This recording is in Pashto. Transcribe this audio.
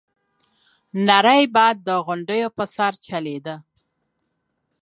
نری باد د غونډيو په سر چلېده.